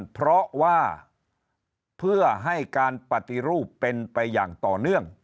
เพราะว่าเพื่อให้การปฏิรูปเป็นไปอย่างต่อเนื่อง